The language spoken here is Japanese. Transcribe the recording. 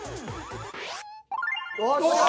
よっしゃ！